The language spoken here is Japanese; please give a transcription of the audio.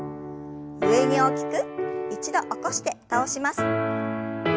上に大きく一度起こして倒します。